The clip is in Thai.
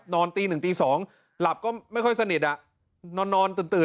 นอนตีหนึ่งตีสองหลับก็ไม่ค่อยสนิท